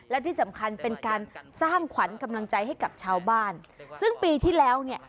และที่สำคัญเป็นการสร้างขวัญกำลังใจให้กับชาวบ้านซึ่งปีที่แล้วเนี่ย